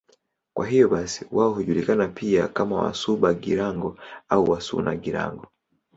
Kwa hiyo basi wao hujulikana pia kama Wasuba-Girango au Wasuna-Girango.